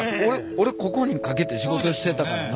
俺ここにかけて仕事してたからな。